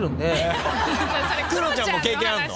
クロちゃんも経験あんの？